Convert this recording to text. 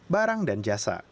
barang dan jasa